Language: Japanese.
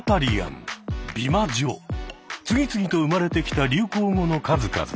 次々と生まれてきた流行語の数々。